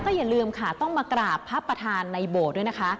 อย่าลืมค่ะต้องมากราบพระประธานในโบสถ์ด้วยนะคะ